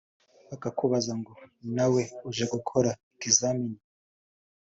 bakakubaza ngo ‘nawe uje gukora ikizamini